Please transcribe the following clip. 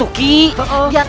ya di sebelah sana